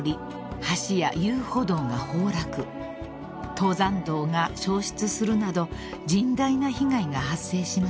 ［登山道が消失するなど甚大な被害が発生しました］